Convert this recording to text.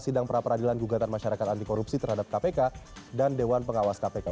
sidang pra peradilan gugatan masyarakat anti korupsi terhadap kpk dan dewan pengawas kpk